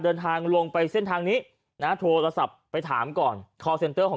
เดินทางลงไปเส้นทางนี้นะโทรโทรสับไปถามก่อนของ